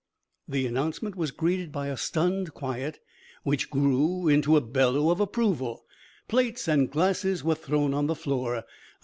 The announcement was greeted by a stunned quiet which grew into a bellow of approval. Plates and glasses were thrown on the floor.